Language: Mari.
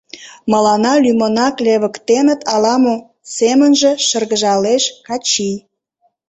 Мыланна лӱмынак левыктеныт ала-мо, — семынже шыргыжалеш Качий.